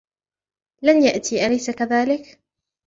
لن يأتي أليس كذلك ؟